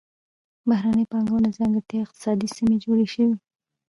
بهرنۍ پانګونه او ځانګړې اقتصادي سیمې جوړې شوې.